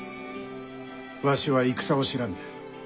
わしは戦を知らぬ。